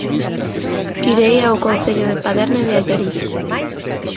Irei ao Concello de Paderne de Allariz